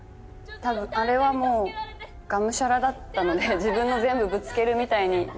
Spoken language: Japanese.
多分あれはもうがむしゃらだったので自分の全部ぶつけるみたいに。